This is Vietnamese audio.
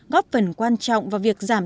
góp phần quan trọng vào việc giảm